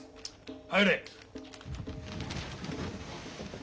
入れ。